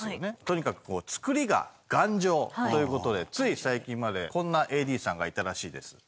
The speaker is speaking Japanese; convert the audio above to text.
とにかくこう作りが頑丈という事でつい最近までこんなＡＤさんがいたらしいです。